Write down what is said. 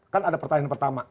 kan ada pertanyaan pertama